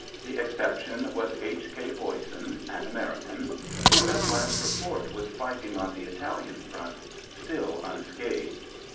The exception was H. K. Boysen, an American, who at last report was fighting on the Italian front, still unscathed.